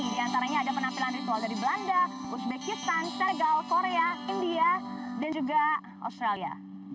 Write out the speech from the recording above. di antaranya ada penampilan ritual dari belanda uzbekistan sergal korea india dan juga australia